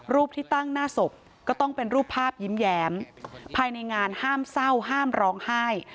รูปที่ตั้งหน้าศพก็ต้องเป็นรูปภาพยิ้มแย้มภายในงานห้ามเศร้าห้ามร้องไห้